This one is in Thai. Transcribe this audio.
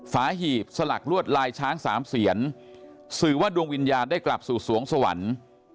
หีบสลักลวดลายช้างสามเสียนสื่อว่าดวงวิญญาณได้กลับสู่สวงสวรรค์